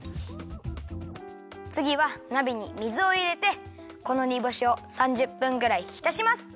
つぎはなべに水をいれてこのにぼしを３０分ぐらいひたします。